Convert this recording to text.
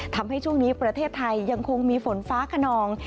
ทำให้ช่วงนี้ประเทศไทยยังคงมีฝนฟ้าขนอง